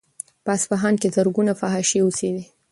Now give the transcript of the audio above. په اصفهان کې زرګونه فاحشې اوسېدلې.